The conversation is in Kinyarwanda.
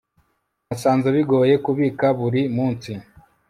nasanze bigoye kubika buri munsi